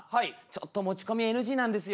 ちょっと持ち込みＮＧなんですよ。